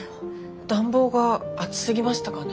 暖房が暑すぎましたかね？